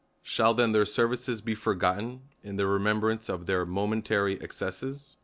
Shall then their services be forgotten, in the remem brance of their momentary excesses ?